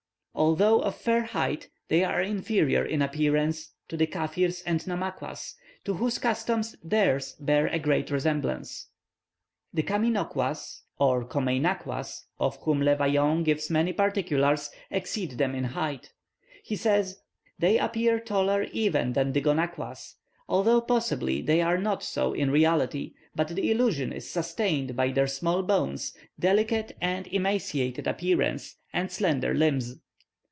Although of fair height, they are inferior in appearance to the Kaffirs and Namaquas, to whose customs theirs bear a great resemblance. The Caminouquas, or Comeinacquas, of whom Le Vaillant gives many particulars, exceed them in height. He says, "They appear taller even than the Gonaquas, although possibly they are not so in reality; but the illusion is sustained by their small bones, delicate and emaciated appearance, and slender limbs.